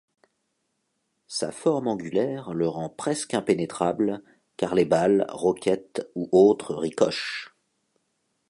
Sa forme angulaire le rend presque impénétrable car les balles, roquettes ou autres ricochent.